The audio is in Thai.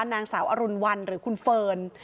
นางสาวอรุณวันหรือคุณเฟิร์น